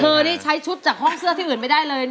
ใช้ชุดจากห้องเสื้อที่อื่นไม่ได้เลย